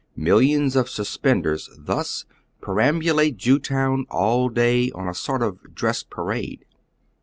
Millions of suspenders tlins perambulate Jewtown all day on a sort of dress parade.